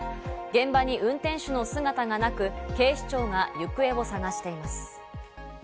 現場に運転手の姿がなく警視庁が行方を捜しています。